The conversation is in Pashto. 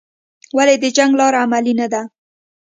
ولې د جنګ لاره عملي نه ده؟